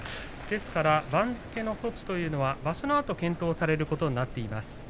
ですから番付の措置というのは場所のあと検討されることになっています。